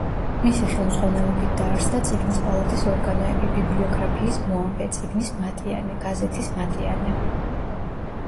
მისი ხელმძღვანელობით დაარსდა წიგნის პალატის ორგანოები: „ბიბლიოგრაფიის მოამბე“, „წიგნის მატიანე“, „გაზეთის მატიანე“.